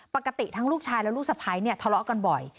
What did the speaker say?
ปกติทั้งลูกชายและลูกสะพ้ายเนี่ยทะเลาะกันบ่อย